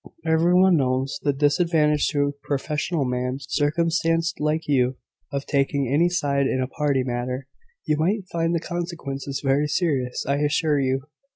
Everyone knows the disadvantage to a professional man, circumstanced like you, of taking any side in a party matter. You might find the consequences very serious, I assure you."